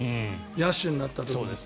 野手になった時に。